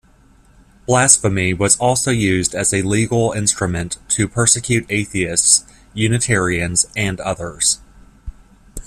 Blasphemy was also used as a legal instrument to persecute atheists, Unitarians, and others.